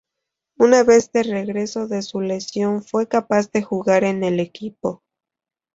Una vez de regreso de su lesión fue capaz de jugar en el equipo.